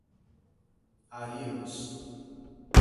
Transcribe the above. Arinos